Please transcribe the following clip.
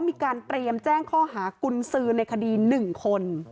มีการเตรียมแจ้งข้อหากุญสือในคดี๑คน